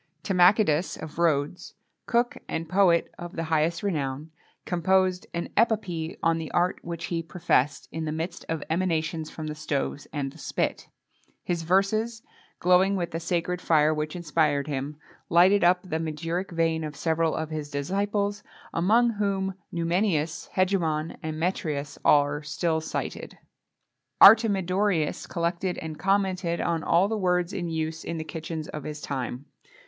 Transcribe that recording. Timachidas of Rhodes, cook and poet of the highest renown, composed an epopee on the art which he professed, in the midst of emanations from the stoves and the spit.[XXII 12] His verses, glowing with the sacred fire which inspired him, lighted up the magiric vein of several of his disciples, among whom Numenius, Hegemon, and Metreas, are still cited.[XXII 13] Artemidorus collected and commented on all the words in use in the kitchens of his time.